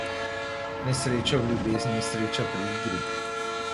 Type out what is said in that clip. Nesreča v ljubezni, sreča pri igri.